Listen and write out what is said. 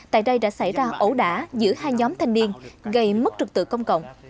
tại đây đã xảy ra ẩu đả giữa hai nhóm thanh niên gây mất trực tự công cộng